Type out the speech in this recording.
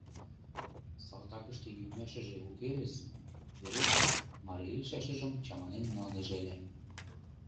— Салтакыште йӱмашыже уке ыльыс, — Верук марий лийшашыжым чаманен налнеже ыле.